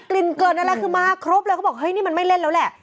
กลิ่นเกินอะไรคือมาครบเลยก็บ่นแล้วเนี่ยมันไม่เล่นแล้วแหละ